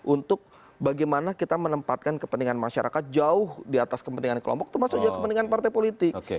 untuk bagaimana kita menempatkan kepentingan masyarakat jauh di atas kepentingan kelompok termasuk juga kepentingan partai politik